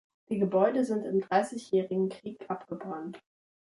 Die Gebäude sind im Dreißigjährigen Krieg abgebrannt.